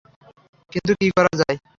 কিন্তু কি করা যায়?